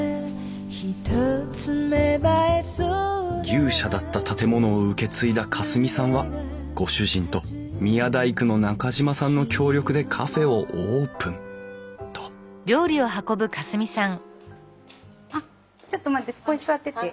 「牛舎だった建物を受け継いだ夏澄さんはご主人と宮大工の中島さんの協力でカフェをオープン」とここに座ってて。